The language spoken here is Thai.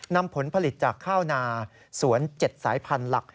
นำผลผลิตจากข้าวนาสวน๗สายพันธุ์หลัก